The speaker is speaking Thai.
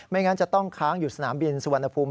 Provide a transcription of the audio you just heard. งั้นจะต้องค้างอยู่สนามบินสุวรรณภูมิ